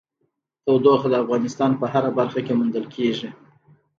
تودوخه د افغانستان په هره برخه کې موندل کېږي.